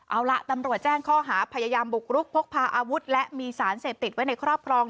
เอาล่ะตำรวจแจ้งข้อหาพยายามบุกรุกพกพาอาวุธและมีสารเสพติดไว้ในครอบครอง